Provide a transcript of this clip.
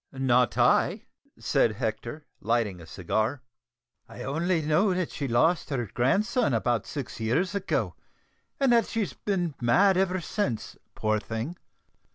"Not I," said Hector, lighting a cigar. "I only know that she lost her grandson about six years ago, and that she's been mad ever since, poor thing."